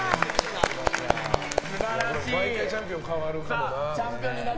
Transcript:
毎回チャンピオン変わるからな。